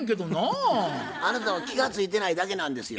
あなたは気が付いてないだけなんですよ。